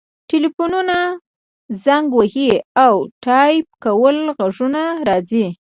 ټیلیفونونه زنګ وهي او د ټایپ کولو غږونه راځي